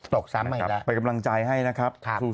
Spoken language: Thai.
ตกซ้ำใหม่แล้วนะครับกำลังใจให้นะครับหยุดครับ